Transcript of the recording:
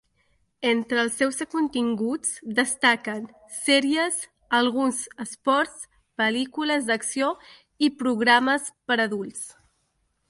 Entre els seus continguts destaquen: sèries, alguns esports, pel·lícules d'acció i programes per a adults.